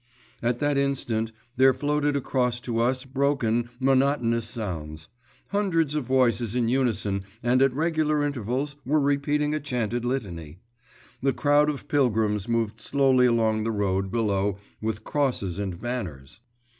At that instant there floated across to us broken, monotonous sounds. Hundreds of voices in unison and at regular intervals were repeating a chanted litany. The crowd of pilgrims moved slowly along the road below with crosses and banners.